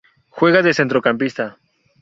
Juega de centrocampista.